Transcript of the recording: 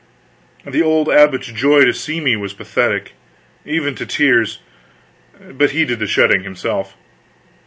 The old abbot's joy to see me was pathetic. Even to tears; but he did the shedding himself.